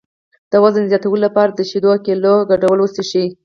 د وزن زیاتولو لپاره د شیدو او کیلې ګډول وڅښئ